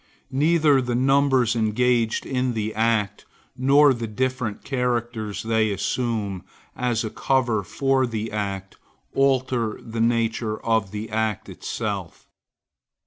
Neither the numbers engaged in the act, nor the different characters they assume as a cover for the act, alter the nature of the act itself.